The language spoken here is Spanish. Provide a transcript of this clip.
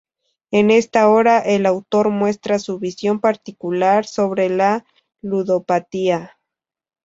En esta obra el autor muestra su visión particular sobre la ludopatía.